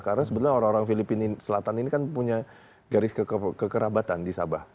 karena sebenarnya orang orang filipina selatan ini kan punya garis kekerabatan di sabah